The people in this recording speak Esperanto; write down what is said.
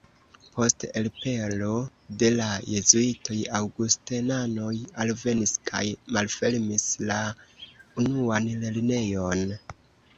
Post elpelo de la jezuitoj aŭgustenanoj alvenis kaj malfermis la unuan lernejon.